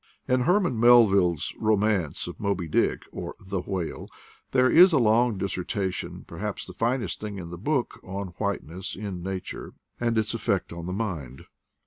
In Herman Melville's romance of Moby Dick, or The Whale, there is a long dissertation, per haps the finest thing in the book, on whiteness in nature, and its effect on the mind.